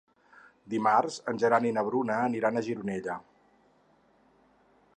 Dimarts en Gerard i na Bruna aniran a Gironella.